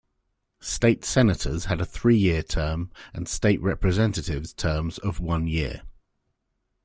State Senators had a three-year term and State Representatives terms of one year.